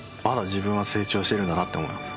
自分は成長してるんだなって思います